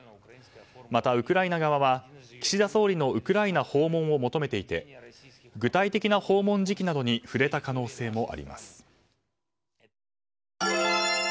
またウクライナ側は岸田総理のウクライナ訪問を求めていて具体的な訪問時期などについて触れた可能性もあります。